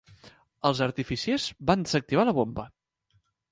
Els artificiers van desactivar la bomba.